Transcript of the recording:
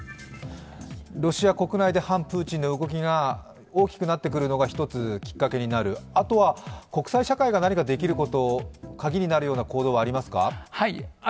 ロシア国内で反プーチンの動きが大きくなってくるのがきっかけになる、あとは国際社会が何かできること、カギになる行動はありますか。